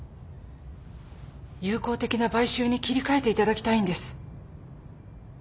友好的な買収に切り替えていただきたいんです。